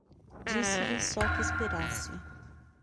Disse-lhe só que esperasse.